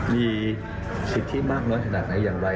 มีสิทธิมากน้อยถนัดน้อยอย่างไร